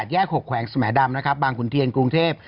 ๒๘แยกหกแขวงสมัยดำบางขุนเทียนกรุงเทพฯ